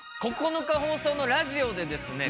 ９日放送のラジオでですね